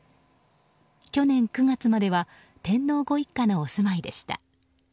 去年９月までは天皇ご一家のお住まいでした。